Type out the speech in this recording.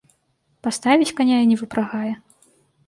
Паставіць каня і не выпрагае.